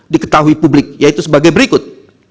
diketahui publik yaitu sebagai berikut